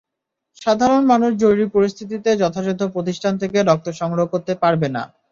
সাধারণ মানুষ জরুরি পরিস্থিতিতে যথাযথ প্রতিষ্ঠান থেকে রক্ত সংগ্রহ করতে পারবে না।